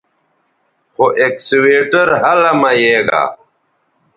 خو اکسویٹر ھلہ مہ یے گا